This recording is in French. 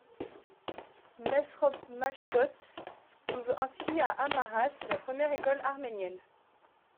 Mesrop Machtots ouvre ainsi à Amaras la première école arménienne.